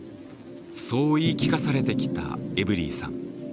そう言い聞かされてきたエブリィさん。